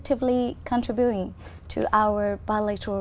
tôi biết vào năm này